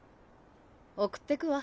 送ってくわ。